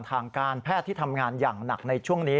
ทางการแพทย์ที่ทำงานอย่างหนักในช่วงนี้